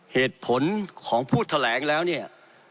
เหตุผลของผู้แถลงแล้วเนี่ย